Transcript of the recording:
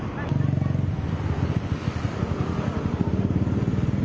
อ่ะใช่ไหม